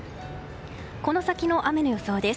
この先の雨の予想です。